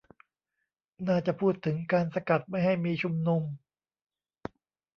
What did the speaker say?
น่าจะพูดถึงการสกัดไม่ให้มีชุมนุม